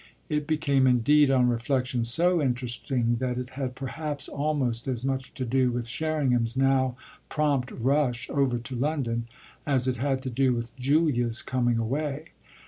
It became indeed on reflexion so interesting that it had perhaps almost as much to do with Sherringham's now prompt rush over to London as it had to do with Julia's coming away.